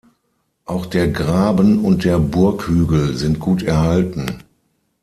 Auch der Graben und der Burghügel sind gut erhalten.